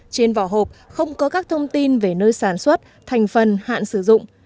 trên vỏ hộp không có các thông tin về nơi sản xuất thành phần hạn sử dụng